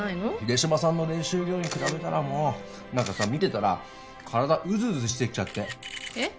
秀島さんの練習量に比べたらもう何かさ見てたら体うずうずしてきちゃってえっ？